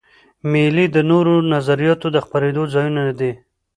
مېلې د نوو نظریاتو د خپرېدو ځایونه دي.